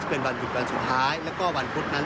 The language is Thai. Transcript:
จะเป็นวันหยุดวันสุดท้ายและวันพรุ่งนั้น